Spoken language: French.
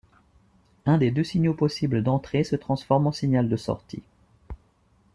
Un des deux signaux possibles d’entrée se transforme en signal de sortie.